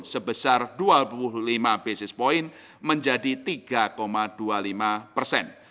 sebesar dua puluh lima basis point menjadi tiga dua puluh lima persen